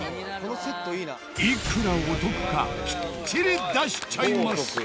いくらお得かきっちり出しちゃいます！